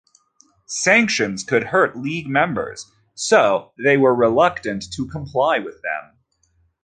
Sanctions could hurt League members, so they were reluctant to comply with them.